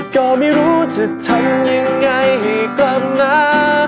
ก็ไม่รู้จะทำยังไงให้กลับมา